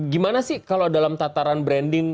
gimana sih kalau dalam tataran branding